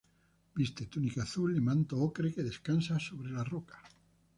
Viste túnica azul y manto ocre que descansa sobre la roca.